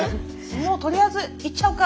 もうとりあえず行っちゃおうか！